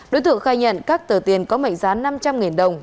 đối tượng khai nhận các tờ tiền có mệnh giá năm trăm linh đồng